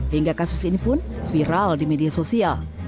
hingga kasus ini pun viral di media sosial